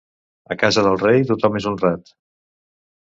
A casa del rei tothom és honrat.